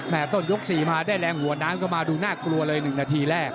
แหม่ต้นยกสี่มาได้แรงหัวน้ำก็มาดูน่ากลัวเลยหนึ่งนาทีแรก